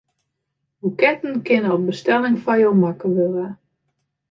Boeketten kinne op bestelling foar jo makke wurde.